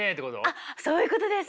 はいそういうことです。